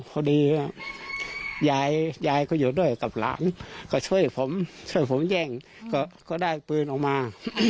พอดียายก็อยู่ด้วยกับหลานก็ช่วยผมช่วยผมแย่งก็ได้ปืนออกมา